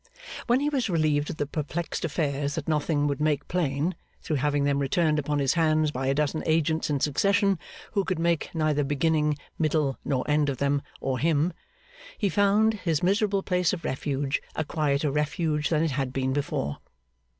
When he was relieved of the perplexed affairs that nothing would make plain, through having them returned upon his hands by a dozen agents in succession who could make neither beginning, middle, nor end of them or him, he found his miserable place of refuge a quieter refuge than it had been before.